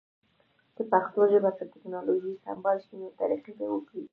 که پښتو ژبه په ټکنالوژی سمبال شی نو ترقی به وکړی